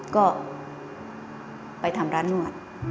ก็ไปทำร้านนวด